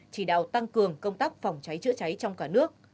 chỉ đạo tăng cường công tác phòng cháy chữa cháy trong cả nước